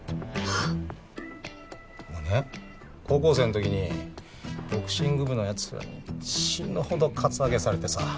高校生の時にボクシング部の奴らに死ぬほどカツアゲされてさ。